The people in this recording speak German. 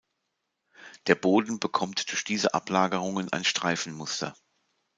Der Boden bekommt durch diese Ablagerungen ein Streifenmuster.